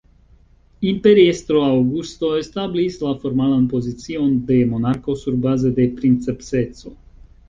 Imperiestro Aŭgusto establis la formalan pozicion de monarko surbaze de "princeps"-eco.